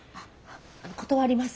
断ります。